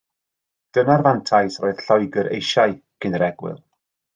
Dyna'r fantais roedd Lloegr eisiau cyn yr egwyl